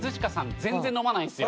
全然飲まないんですよ。